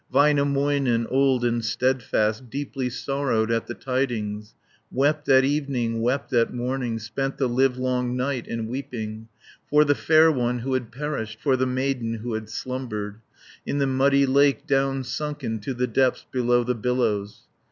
Väinämöinen, old and steadfast, Deeply sorrowed at the tidings; Wept at evening, wept at morning, Spent the livelong night in weeping, For the fair one who had perished, For the maiden who had slumbered, 10 In the muddy lake downsunken To the depths below the billows.